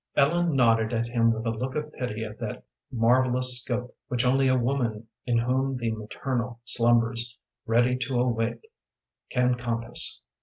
Ellen nodded at him with a look of pity of that marvellous scope which only a woman in whom the maternal slumbers ready to awake can compass.